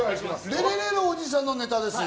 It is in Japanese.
レレレのおじさんのネタです。